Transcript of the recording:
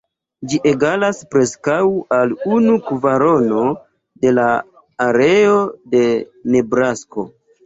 Ĝi egalas preskaŭ al unu kvarono de la areo de Nebrasko.